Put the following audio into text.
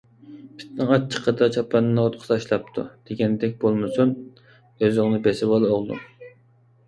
«پىتنىڭ ئاچچىقىدا چاپاننى ئوتقا تاشلاپتۇ» دېگەندەك بولمىسۇن، ئۆزۈڭنى بېسىۋال ئوغلۇم!